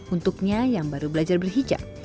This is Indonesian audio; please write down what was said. untuknya yang baru belajar berhijab